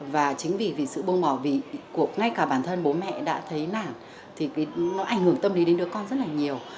và chính vì vì sự bông bỏ vì ngay cả bản thân bố mẹ đã thấy nản thì nó ảnh hưởng tâm lý đến đứa con rất là nhiều